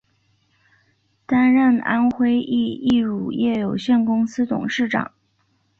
担任安徽益益乳业有限公司董事长。